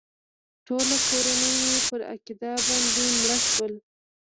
ټوله کورنۍ مې پر عقیده باندې مړه شول.